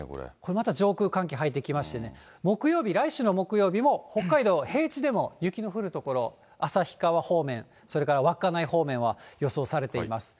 また上空に寒気が入ってきまして、木曜日、来週の木曜日も北海道、平地でも雪の降る所、旭川方面、それから稚内方面は予想されています。